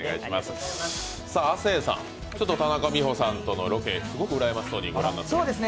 亜生さん、田中美保さんとのロケ、うらやましそうに御覧になってましたね。